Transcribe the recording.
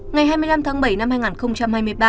ngày hai mươi năm tháng bảy năm hai nghìn hai mươi ba